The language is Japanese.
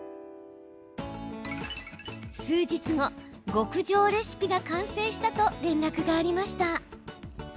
数日後、極上レシピが完成したと連絡がありました。